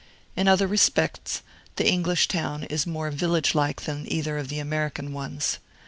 In other respects, the English town is more village like than either of the American ones.